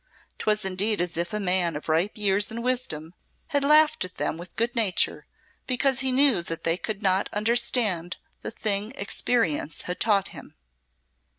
'Twas indeed as if a man of ripe years and wisdom had laughed at them with good nature, because he knew they could not understand the thing experience had taught him.